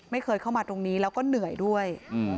ไม่เคยเข้ามาตรงนี้แล้วก็เหนื่อยด้วย